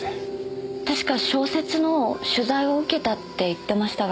確か小説の取材を受けたって言ってましたが。